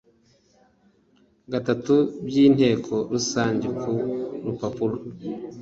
gatatu by inteko rusange ku rupapuro